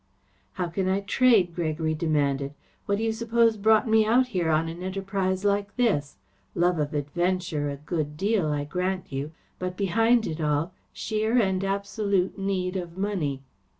"How can I trade?" Gregory demanded. "What do you suppose brought me out here on an enterprise like this? Love of adventure a good deal, I grant you, but, behind it all, sheer and absolute need of money.